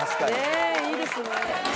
いいですね。